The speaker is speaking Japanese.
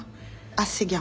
「アセギャ」？